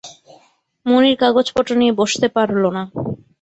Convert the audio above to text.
মুনির কাগজপত্র নিয়ে বসতে পারল না।